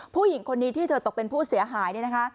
ผู้หญิงคนนี้ที่เธอตกเป็นผู้เสียหายเนี่ยนะคะ